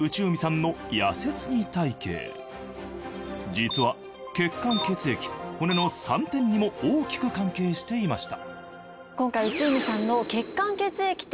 実は血管・血液骨の３点にも大きく関係していました